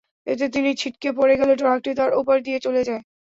এতে তিনি ছিটকে পেড়ে গেলে ট্রাকটি তাঁর ওপর দিয়ে চলে যায়।